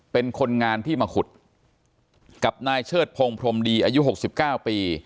เป็นคนงานที่มาขุดกับนายเชิดพงศ์พรมดีอายุ๖๙ปี